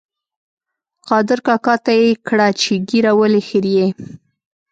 قادر کاکا ته یې کړه چې ږیره ولې خرېیې؟